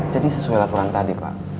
jadi sesuai laporan tadi pak